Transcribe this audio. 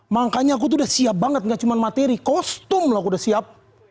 makanya aku tuh udah siap banget gak cuma materi kostum loh aku udah siap